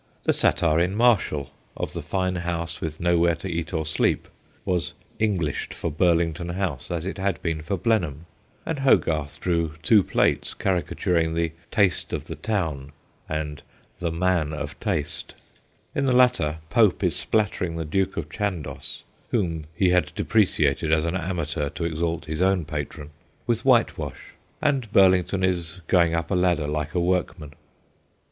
The satire in Martial, of the fine house with nowhere to eat or sleep, was Englished for Burlington House as it had been for Blenheim ; and Hogarth drew two plates caricaturing the ' Taste of the Town/ and 'The Man of Taste/ In the latter Pope is spattering the Duke of Chandos (whom he had depreciated as an amateur to exalt his own patron) with whitewash, and Burlington is going up a ladder like a workman.